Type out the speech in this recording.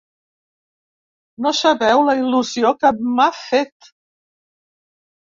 No sabeu la il·lusió que m'ha fet!